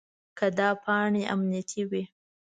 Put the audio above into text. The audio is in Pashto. که دا پاڼې امنیتي وي.